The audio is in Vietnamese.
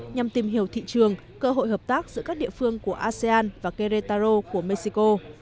nhằm tìm hiểu thị trường cơ hội hợp tác giữa các địa phương của asean và kretaro của mexico